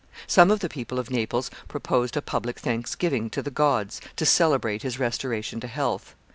Some of the people of Naples proposed a public thanksgiving to the gods, to celebrate his restoration to health.